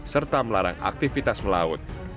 serta melarang aktivitas melaut